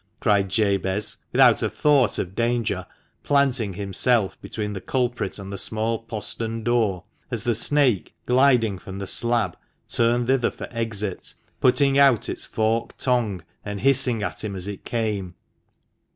cried Jabez, without a thought of danger, planting himself between the culprit and the small postern door, as the snake, gliding from the slab, turned thither for exit, putting out its forked tongue and hissing at him as it came.